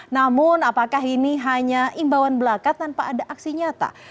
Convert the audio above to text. namun apakah ini hanya imbauan belaka tanpa ada aksi nyata